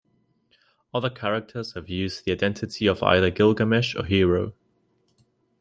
Other characters have used the identity of either Gilgamesh or Hero.